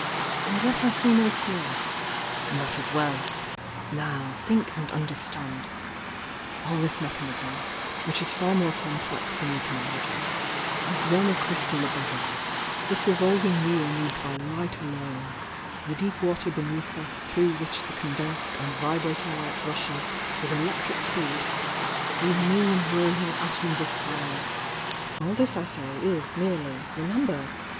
— and yet I see no aS'Ii.' "*"^■^"'^"^^''"'' a"d understand! All this mechanism— which is far more complex than you can imagine,— this dome of crystal above us —this revolving wheel moved by Light alone — the deep water beneath us through which the con densed and vibrating Light rushes with electric speed,— these nullion whirling atoms of fire— all this, 1 say, is merely— remember!